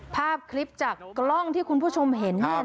ภาพคลิปจากกล้องที่คุณผู้ชมเห็น